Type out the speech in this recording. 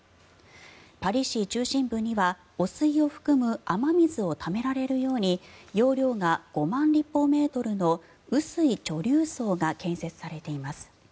パリ市中心部には汚水を含む雨水をためられるように容量が５万立方メートルの雨水貯留槽が建設されています。